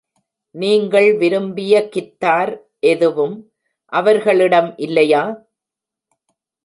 நீங்கள் விரும்பிய கித்தார் எதுவும் அவர்களிடம் இல்லையா?